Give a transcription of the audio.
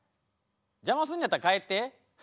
邪魔すんのやったら帰って？